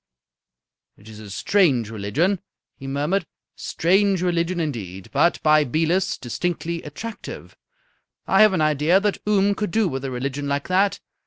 "It is a strange religion," he murmured. "A strange religion, indeed. But, by Belus, distinctly attractive. I have an idea that Oom could do with a religion like that.